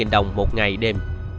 sáu mươi đồng một ngày đêm